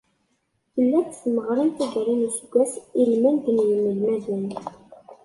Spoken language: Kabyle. Tella-d tmeɣra n taggara n useggas ilmend n yinelmaden.